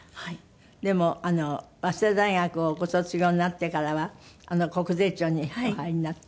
でも早稲田大学をご卒業になってからは国税庁にお入りになって。